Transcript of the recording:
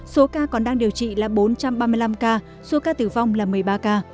số ca còn đang điều trị là bốn trăm ba mươi năm ca số ca tử vong là một mươi ba ca